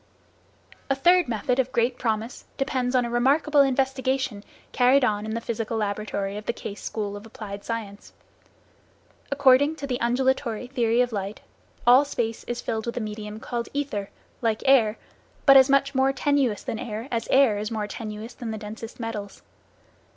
A third method of great promise depends on a remarkable investigation carried on in the physical laboratory of the Case School of Applied Science. According to the undulatory theory of light, all space is filled with a medium called ether, like air, but as much more tenuous than air as air is more tenuous than the densest metals.